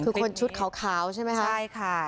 คือคนชุดขาวใช่ไหมครับ